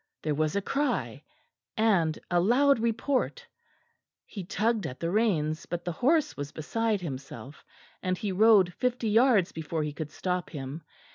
There was a cry and a loud report; he tugged at the reins, but the horse was beside himself, and he rode fifty yards before he could stop him.